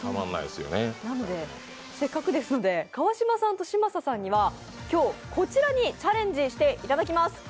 せっかくですので川島さんと嶋佐さんには今日、こちらにチャレンジしていただきます。